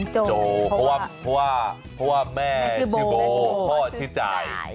โจเพราะว่าแม่ชื่อโบพ่อชื่อจ่าย